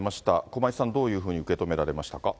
駒井さん、どういうふうに受け止められましたか。